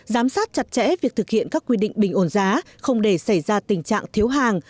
giám sát chặt chẽ việc thực hiện các quy định bình ổn giá không để xảy ra tình trạng thiếu hàng